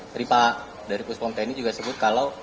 dari pak puspom tni juga sebut